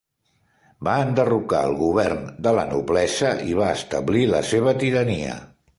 Va enderrocar al govern de la noblesa i va establir la seva tirania.